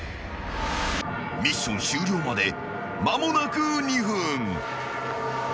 ［ミッション終了まで間もなく２分］